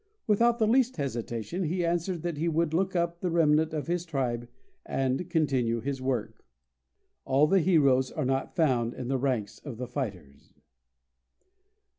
Without the least hesitation he answered that he would look up the remnant of his tribe, and continue his work. All the heroes are not found in the ranks of the fighters.